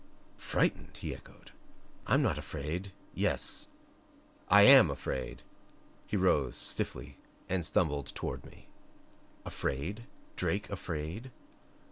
"Frightened?" he echoed. "I'M not afraid yes, I AM afraid " He arose, stiffly and stumbled toward me. Afraid? Drake afraid.